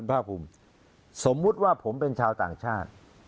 ภาคภูมิสมมุติว่าผมเป็นชาวต่างชาติ